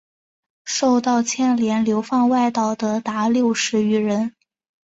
受到牵连流放外岛的达六十余人。